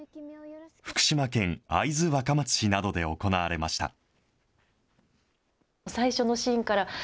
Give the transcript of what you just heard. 福島県会津若松市などで行われました。